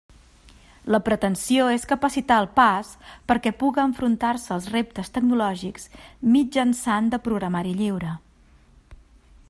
La pretensió és capacitar el PAS perquè puga enfrontar-se als reptes tecnològics mitjançant de Programari Lliure.